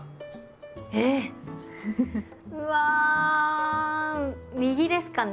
えっ⁉うわ右ですかね？